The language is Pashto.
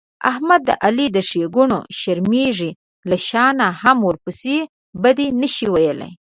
احمد د علي له ښېګڼونه شرمېږي، له شا نه هم ورپسې بد نشي ویلای.